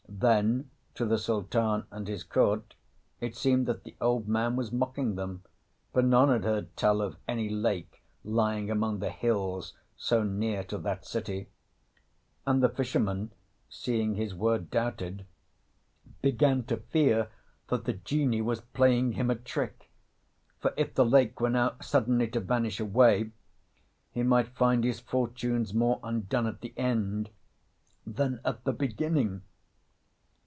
Then to the Sultan and his court it seemed that the old man was mocking them, for none had heard tell of any lake lying among the hills so near to that city; and the fisherman, seeing his word doubted, began to fear that the Genie was playing him a trick; for if the lake were now suddenly to vanish away, he might find his fortunes more undone at the end than at the beginning.